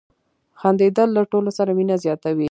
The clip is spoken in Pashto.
• خندېدل له ټولو سره مینه زیاتوي.